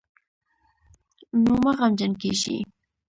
نو مه غمجن کېږئ